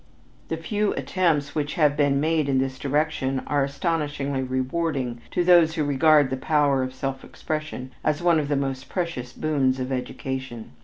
The few attempts which have been made in this direction are astonishingly rewarding to those who regard the power of self expression as one of the most precious boons of education.